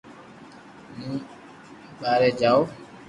ھون ٻاري جاو